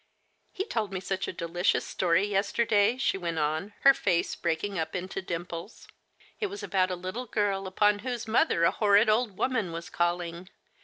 " He told me such a delicious story yesterday," she went on, her face breaking up into dimples. " It was about a little girl upon whose mother a horrid old woman was calling.